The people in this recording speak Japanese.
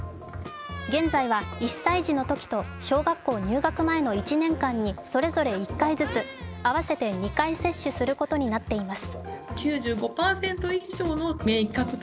現在は、１歳児のときと小学校入学前の１年間にそれぞれ１回ずつ合わせて２回接種することになっています。